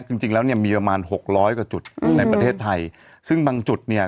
จริงแล้วเนี่ยมีประมาณหกร้อยกว่าจุดในประเทศไทยซึ่งบางจุดเนี่ย